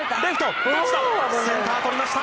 センターとりました。